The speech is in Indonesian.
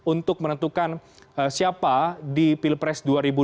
untuk menentukan siapa di pilpres dua ribu dua puluh